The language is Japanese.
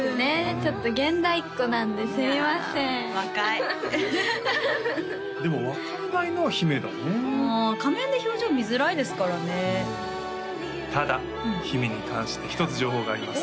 ちょっと現代っ子なんですみませんああ若いでも分からないのは姫だねうん仮面で表情見づらいですからねただ姫に関して一つ情報があります